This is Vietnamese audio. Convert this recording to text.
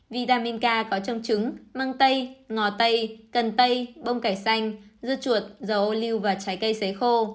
vitamin k có trong trứng măng tây ngò tây cần tây bông cải xanh dưa chuột dầu ô lưu và trái cây xế khô